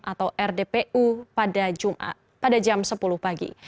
atau rdpu pada jam sepuluh pagi